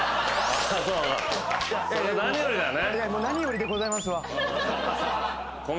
何よりだね。